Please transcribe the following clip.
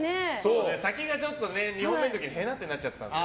先がちょっと２本目の時はへなってなっちゃった。